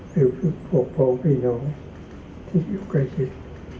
คือพวกพ้องพี่น้องที่อยู่ใกล้ชิด